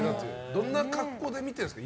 どんな格好で見てるんですか。